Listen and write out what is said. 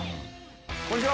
こんにちは。